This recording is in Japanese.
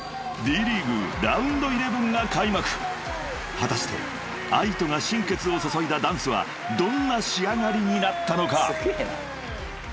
［果たしてＡＩＴＯが心血を注いだダンスはどんな仕上がりになったのか］